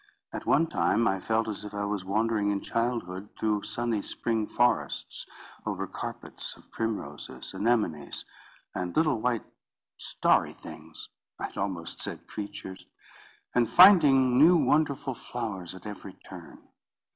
At one time I felt as if I was wandering in childhood through sunny spring forests, over carpets of primroses, anemones, and little white starry things—I had almost said creatures, and finding new wonderful flowers at every turn.